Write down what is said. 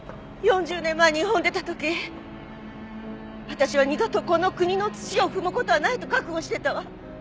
４０年前日本を出た時私は二度とこの国の土を踏む事はないと覚悟してたわ。